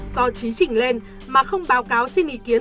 do trí chỉnh lên mà không báo cáo xin ý kiến